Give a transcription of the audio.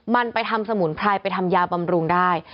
มันไปทำสมุนไพรไปทำยาบำรุงได้